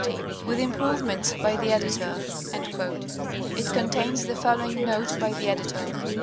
With improvements by y® Editor." It contains the following note by the editor.